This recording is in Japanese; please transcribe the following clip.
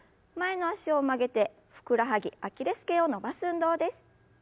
前の脚を曲げてふくらはぎアキレス腱を伸ばす運動です。